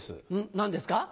何ですか？